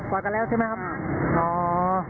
อดกันแล้วใช่ไหมครับ